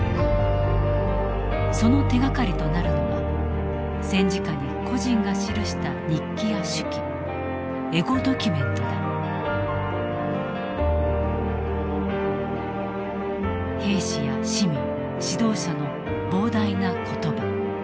その手がかりとなるのが戦時下に個人が記した日記や手記兵士や市民指導者の膨大な言葉。